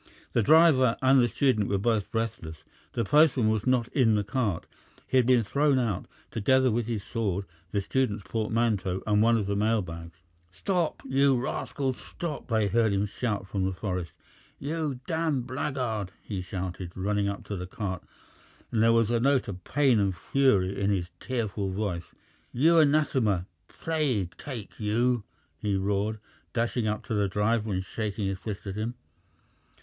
The driver and the student were both breathless. The postman was not in the cart. He had been thrown out, together with his sword, the student's portmanteau, and one of the mail bags. "Stop, you rascal! Sto op!" they heard him shout from the forest. "You damned blackguard!" he shouted, running up to the cart, and there was a note of pain and fury in his tearful voice. "You anathema, plague take you!" he roared, dashing up to the driver and shaking his fist at him.